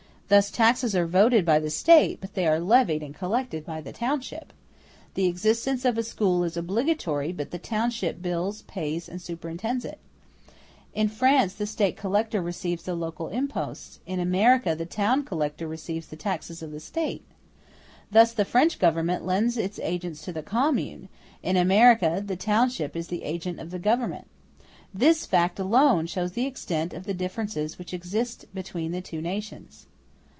Thus, taxes are voted by the State, but they are levied and collected by the township; the existence of a school is obligatory, but the township builds, pays, and superintends it. In France the State collector receives the local imposts; in America the town collector receives the taxes of the State. Thus the French Government lends its agents to the commune; in America the township is the agent of the Government. This fact alone shows the extent of the differences which exist between the two nations.